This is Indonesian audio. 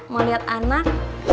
mau liat anak